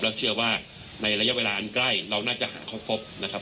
แล้วเชื่อว่าในระยะเวลาอันใกล้เราน่าจะหาเขาพบนะครับ